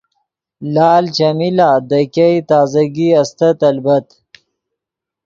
لال چیمی لا دے ګئے تازگی استت البت